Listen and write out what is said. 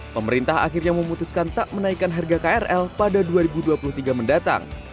pemerintah akhirnya memutuskan tak menaikkan harga krl pada dua ribu dua puluh tiga mendatang